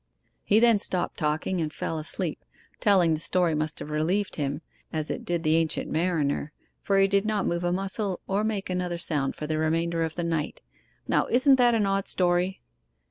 He then stopped talking and fell asleep. Telling the story must have relieved him as it did the Ancient Mariner, for he did not move a muscle or make another sound for the remainder of the night. Now isn't that an odd story?